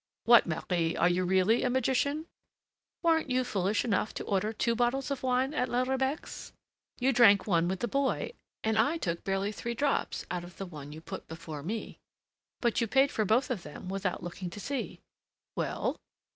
"What, Marie, are you really a magician?" "Weren't you foolish enough to order two bottles of wine at La Rebec's? You drank one with the boy, and I took barely three drops out of the one you put before me. But you paid for both of them without looking to see." "Well?"